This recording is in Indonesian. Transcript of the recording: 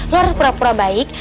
harus pura pura baik